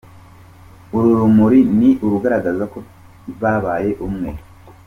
Uru rumuri ni urugaragaza ko babaye umwe.